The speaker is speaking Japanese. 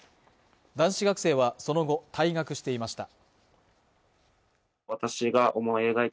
男子学生はその後退学していました